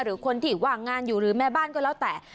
หรือคนที่ว่างงานอยู่หรือแม่บ้านก็แล้วแต่